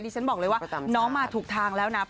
ฉันบอกเลยว่าน้องมาถูกทางแล้วนะ